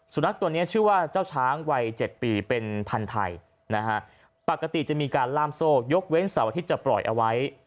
สุนัขตัวนี้ชื่อว่าเจ้าช้างวัย๗ปีเป็นพันธุ์ไทยนะฮะปกติจะมีการล่ามโซ่ยกเว้นเสาร์อาทิตย์จะปล่อยเอาไว้